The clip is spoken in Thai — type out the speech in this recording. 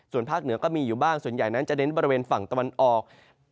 ส่วนภาคเหนือก็มีอยู่บ้างส่วนใหญ่นั้นจะเน้นบริเวณฝั่งตะวันออก